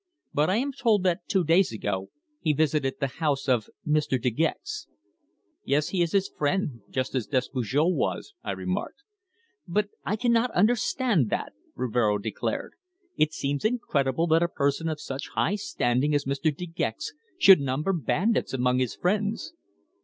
But I am told that two days ago he visited the house of Mr. De Gex." "Yes, he is his friend, just as Despujol was," I remarked. "But I cannot understand that!" Rivero declared. "It seems incredible that a person of such high standing as Mr. De Gex should number bandits among his friends!"